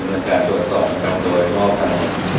มันเป็นการตรวจสอบกลับโดยงอกทาง